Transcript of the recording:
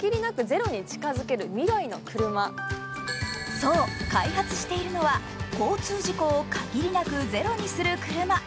そう、開発しているのは交通事故を限りなくゼロにする車。